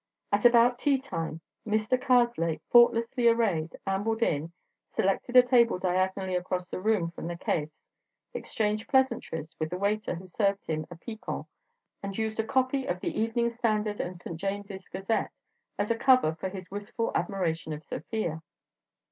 At about tea time, Mr. Karslake, faultlessly arrayed, ambled in, selected a table diagonally across the room from the caisse, exchanged pleasantries with the waiter who served him a picon, and used a copy of The Evening Standard & St. James's Gazette as a cover for his wistful admiration of Sofia.